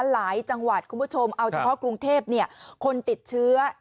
หลายจังหวัดคุณผู้ชมเอาเฉพาะกรุงเทพคนติดเชื้อ